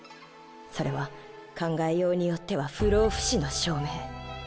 それは考えようによっては不老不死の証明。